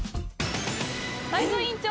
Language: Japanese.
泰造委員長